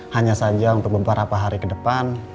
hanya saja untuk beberapa hari kedepan